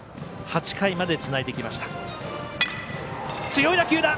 ８回までつないできました。